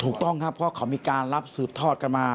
ถูกต้องครับเพราะเขามีการรับสืบทอดกันมา